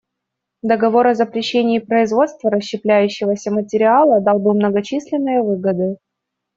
Договор о запрещении производства расщепляющегося материала дал бы многочисленные выгоды.